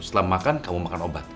setelah makan kamu makan obat